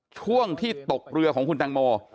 ช่วงที่ตกเรือของคุณตังโม